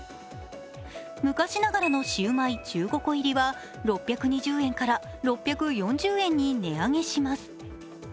昔ながらのシウマイ１５個入りは６２０円から６４０円に値上げします。